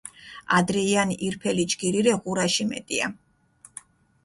ადრეიანი ირფელი ჯგირი რე ღურაში მეტია.